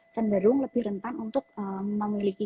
cenderung lebih rentan untuk memiliki